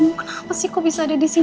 kenapa sih kok bisa ada di sini